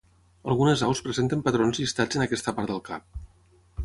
Algunes aus presenten patrons llistats en aquesta part del cap.